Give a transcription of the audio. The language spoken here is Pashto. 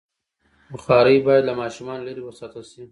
بخاري باید له ماشومانو لرې وساتل شي.